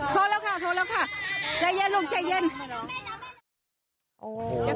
พอแล้วค่ะพอแล้วค่ะใจเย็นลูกใจเย็น